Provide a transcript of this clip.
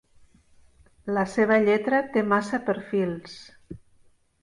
La seva lletra té massa perfils.